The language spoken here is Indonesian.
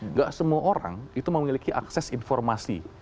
nggak semua orang itu memiliki akses informasi